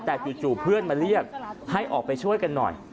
แต่จู่เพื่อนมาเรียกให้ออกไปช่วยกันหน่อย